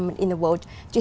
nhưng ở khắp mọi nơi